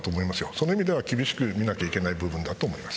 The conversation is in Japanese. その意味では厳しく見なきゃいけないと思います。